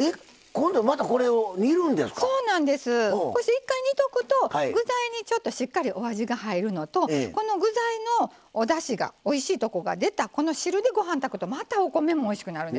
こうして一回煮ておくと具材にしっかりお味が入るのとこの具材のおだしがおいしいとこが出たこの汁でご飯を炊くとまたお米もおいしくなるんです。